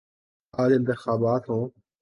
آج انتخابات ہوں۔